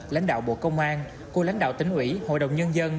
lãnh đạo bộ công an của lãnh đạo tỉnh ủy hội đồng nhân dân